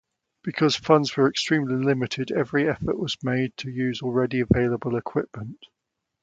Because funds were extremely limited every effort was made to use already available equipment.